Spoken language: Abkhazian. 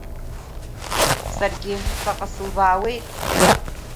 Саргьы ҵаҟа сылбаауеит.